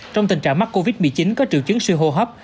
trong tình trạng mắc covid một mươi chín có triệu chứng siêu hô hấp